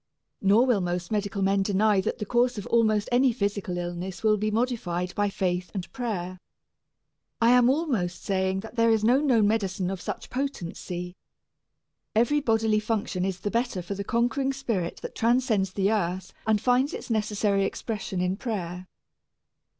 Nor will most medical men deny that the course of almost any physical illness may be modified by faith and prayer. I am almost saying that there is no known medicine of such potency. Every bodily function is the better for the conquering spirit that transcends the earth and finds its necessary expression in prayer.